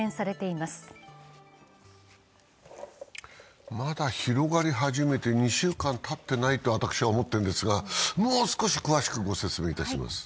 まだ広がり始めて２週間たってないと私は思っているんですがもう少し詳しくご説明いたします。